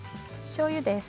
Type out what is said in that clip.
しょうゆです。